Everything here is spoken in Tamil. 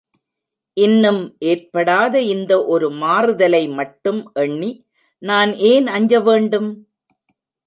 இன்னும் ஏற்படாத இந்த ஒரு மாறுதலை மட்டும் எண்ணி, நான் ஏன் அஞ்ச வேண்டும்?